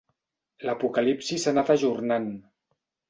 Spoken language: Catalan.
L'apocalipsi s'ha anat ajornant.